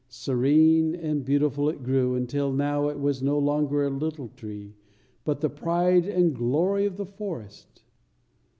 Serene and beautiful it grew, until now it was no longer a little tree, but the pride and glory of the forest.